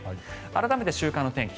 改めて週間の天気